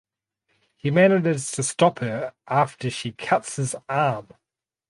He manages to stop her after she cuts his arm.